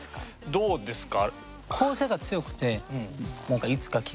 どうですか？